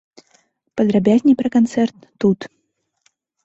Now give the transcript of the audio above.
Падрабязней пра канцэрт тут.